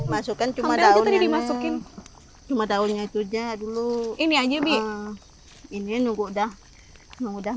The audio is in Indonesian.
masukkan cuma daunnya cuma daunnya itu aja dulu ini aja ini nunggu udah mudah